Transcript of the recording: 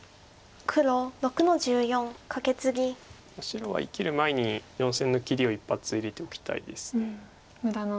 白は生きる前に４線の切りを一発入れておきたいです。